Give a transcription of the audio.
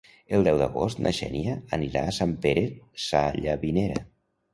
El deu d'agost na Xènia anirà a Sant Pere Sallavinera.